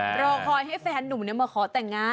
รอคอยให้แฟนนุ่มมาขอแต่งงาน